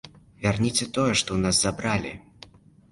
Вярніце тое, што ў нас забралі.